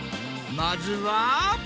まずは。